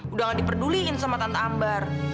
udah gak diperduliin sama tante ambar